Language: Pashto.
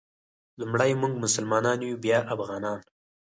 لومړی مونږ مسلمانان یو بیا افغانان.